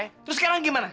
terus sekarang gimana